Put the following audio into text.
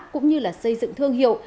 cũng như là xây dựng thương hiệu